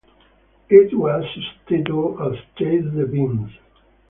It was subtitled as Chase the Beans.